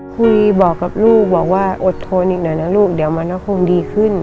คุยบอกกับลูกบอกว่าอดทนอีกหน่อยนะลูกเดี๋ยวมันก็คงดีขึ้น